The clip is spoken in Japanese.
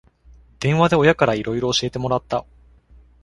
電話で親からいろいろ教えてもらった